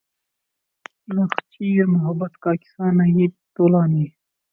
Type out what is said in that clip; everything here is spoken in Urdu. نخچیر محبت کا قصہ نہیں طولانی